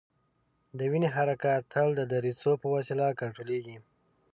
د وینې حرکت تل د دریڅو په وسیله کنترولیږي.